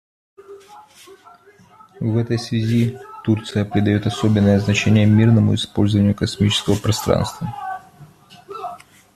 В этой связи Турция придает особенное значение мирному использованию космического пространства.